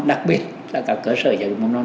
đặc biệt là các cơ sở giáo dục mầm non